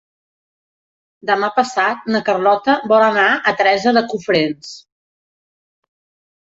Demà passat na Carlota vol anar a Teresa de Cofrents.